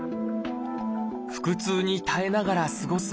腹痛に耐えながら過ごす毎日。